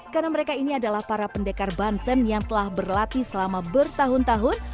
karena mereka ini adalah para pendekar banten yang telah berlatih selama bertahun tahun